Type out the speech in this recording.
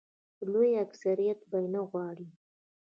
لوی اکثریت به یې نه غواړي.